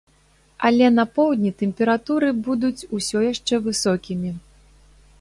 Але на поўдні тэмпературы будуць усё яшчэ высокімі.